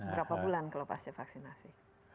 berapa bulan kalau pasca vaksinasi